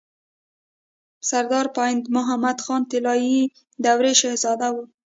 سردار پاينده محمد خان طلايي دورې شهزاده وو